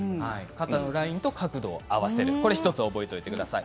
肩のラインと角度を合わせる１つ覚えておいてください。